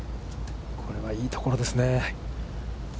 これはいいところですね。